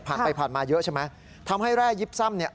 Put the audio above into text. ผ่านไปผ่านมาเยอะใช่ไหมทำให้แร่ยิบซ่ำเนี่ย